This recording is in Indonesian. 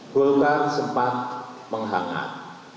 kulkara sempat menghangat